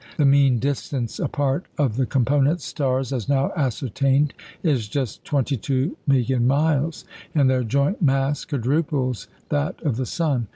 The mean distance apart of the component stars, as now ascertained, is just twenty two million miles, and their joint mass quadruples that of the sun.